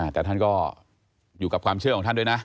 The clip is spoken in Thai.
แต่ท่านก็อยู่กับความเชื่อของท่านด้วยนะ